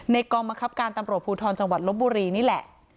กองบังคับการตำรวจภูทรจังหวัดลบบุรีนี่แหละ